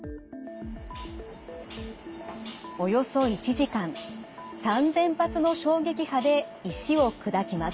およそ１時間３，０００発の衝撃波で石を砕きます。